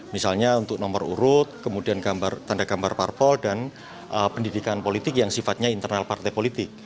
misalnya untuk nomor urut kemudian tanda gambar parpol dan pendidikan politik yang sifatnya internal partai politik